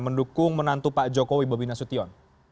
mendukung menantu pak jokowi bobina sutyon